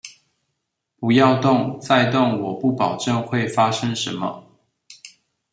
不要動，再動我不保證會發生什麼